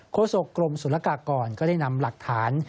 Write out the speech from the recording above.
โศกรมสุรกากรก็ได้นำหลักฐาน